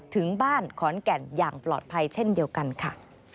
ถึงบ้านขอนแก่นอย่างปลอดภัยเช่นเดียวกันค่ะ